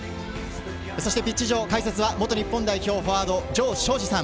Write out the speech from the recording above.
ピッチ上解説は元日本代表フォワード・城彰二さん。